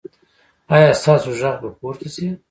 ایا ستاسو غږ به پورته شي؟